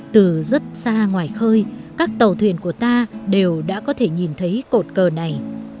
từ rất xa ngoài khơi các tàu thuyền của ta đều đã có thể nhìn thấy cột cờ này